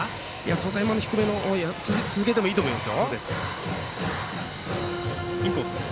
当然、今の低め続けてもいいと思います。